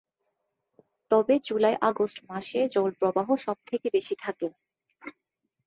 তবে, July- August মাসে জলপ্রবাহ সব থেকে বেশি থাকে।